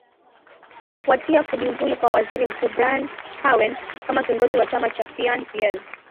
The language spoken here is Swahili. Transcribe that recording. kufuatia kujiuzulu kwa waziri mkuu brian carwen kama kiongozi wa chama cha fiana fiel